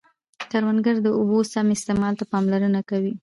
کروندګر د اوبو سم استعمال ته پاملرنه کوي